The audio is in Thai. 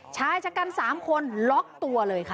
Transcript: ชายชะกัน๓คนล็อกตัวเลยค่ะ